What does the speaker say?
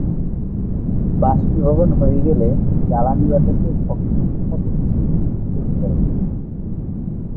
বাষ্পীভবন হয়ে গেলে জ্বালানি বাতাসের অক্সিজেনের সাথে মিশে শিখা তৈরি করে।